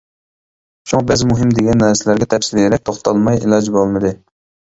شۇڭا بەزى مۇھىم دېگەن نەرسىلەرگە تەپسىلىيرەك توختالماي ئىلاج بولمىدى.